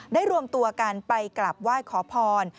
รวมตัวกันไปกลับไหว้ขอพร